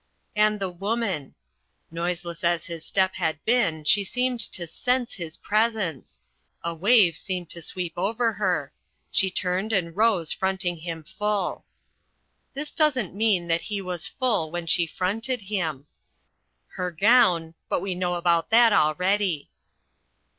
And The Woman "Noiseless as his step had been, she seemed to sense his presence. A wave seemed to sweep over her She turned and rose fronting him full." This doesn't mean that he was full when she fronted him. Her gown but we know about that already.